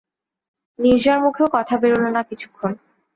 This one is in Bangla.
নীরজার মুখেও কথা বেরল না কিছুক্ষণ।